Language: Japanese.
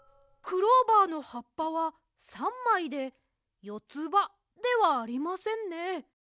クローバーのはっぱは３まいでよつばではありませんね。